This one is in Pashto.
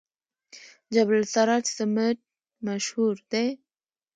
جبل السراج سمنټ مشهور دي؟